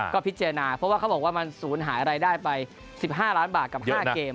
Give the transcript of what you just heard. ก็พิจารณาเพราะว่าเขาบอกว่ามันศูนย์หายรายได้ไป๑๕ล้านบาทกับ๕เกม